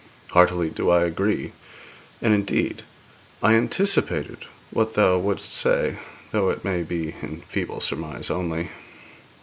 'Heartily do I agree; and, indeed, I anticipated what thou wouldst say, though it may be in feeble surmise only.'